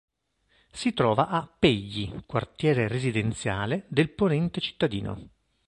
Si trova a Pegli, quartiere residenziale del ponente cittadino.